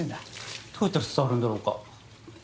どうやったら伝わるんだろうか。